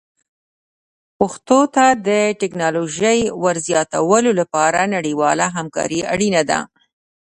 پښتو ته د ټکنالوژۍ ور زیاتولو لپاره نړیواله همکاري اړینه ده.